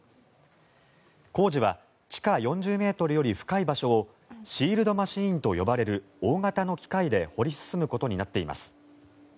工事は地下４０ｍより深い場所をシールドマシンを呼ばれる大型の機械で掘り進むことになっています。